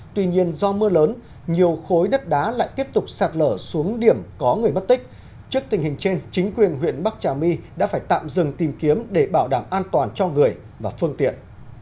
tuy nhiên do mưa lớn nhiều khối đất đá lại tiếp tục sạt lở xuống điểm có người mất tích trước tình hình trên chính quyền huyện bắc trà my đã phải tạm dừng tìm kiếm để bảo đảm an toàn cho người và phương tiện